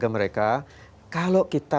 ke mereka kalau kita